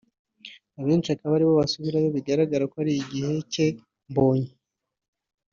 abenshi bakaba aribo basubirayo bigaragara ko ari igihe cye (Mbonyi)